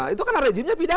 itu karena rejimnya pidana